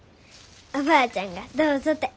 おばあちゃんがどうぞて。